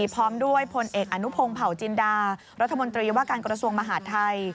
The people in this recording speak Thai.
พร้อมด้วยพลเอกอนุพงศ์เผาจินดารัฐมนตรีว่าการกระทรวงมหาดไทย